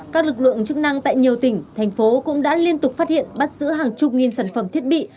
các lực lượng chức năng cũng đã liên tục phát hiện bắt giữ hàng chục nghìn sản phẩm thiết bị